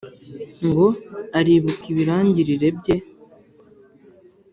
ngo aribuka ibirangirire bye